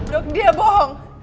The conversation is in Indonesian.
dok dia bohong